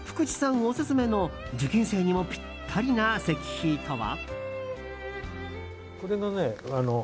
オススメの受験生にもぴったりな石碑とは。